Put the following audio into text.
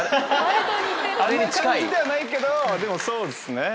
あんな感じではないけどでもそうですね。